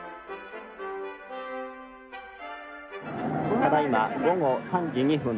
ただいま午後３時２分